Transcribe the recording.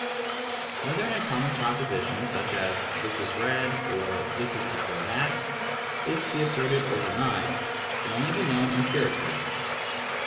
Whether an atomic proposition, such as " this is red,"^, or " this is before that," is to be asserted or denied can ! only be known empirically.